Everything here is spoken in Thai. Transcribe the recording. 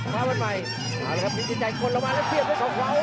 คนละวานต้อนที่ได้เกี่ยวของเขา